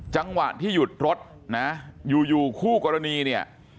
จังหวะที่หยุดรถนะอยู่อยู่คู่กรณีเนี่ย